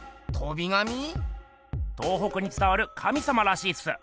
東北につたわる神様らしいっす。